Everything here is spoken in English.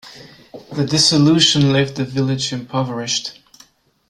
The dissolution left the village impoverished.